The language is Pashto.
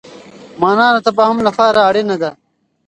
مانا د تفاهم لپاره اړينه ده.